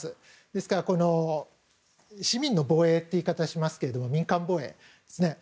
ですから、市民の防衛といういい方しますけど民間防衛ですね。